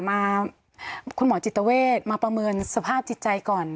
มาคุณหมอจิตเวทมาประเมินสภาพจิตใจก่อน